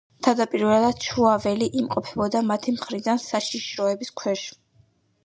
თავდაპირველად შუაველი იმყოფებოდა მათი მხრიდან საშიშროების ქვეშ.